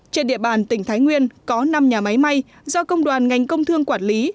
trên địa bàn tỉnh thái nguyên có năm nhà máy may do công đoàn ngành công thương quản lý